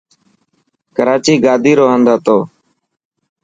ڪراچي گادي رو هند هتو.